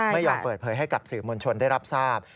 ไม่ยอมเปิดเผยให้กับสื่อมวลชนได้รับทราบ